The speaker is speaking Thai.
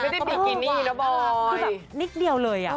ไม่ได้บิกกินี่นะบอยก็แบบนิดเดียวเลย